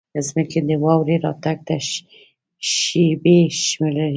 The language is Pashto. ځمکې د واورې راتګ ته شېبې شمېرلې.